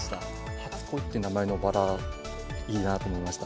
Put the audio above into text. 初恋って名前のバラ、いいなと思いました。